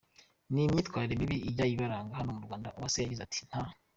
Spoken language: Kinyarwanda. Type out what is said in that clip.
n’imyitwarire mibi ijya ibaranga hano mu Rwanda, Uwase yagize ati : "Nta.